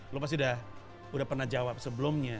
lo pasti udah pernah jawab sebelumnya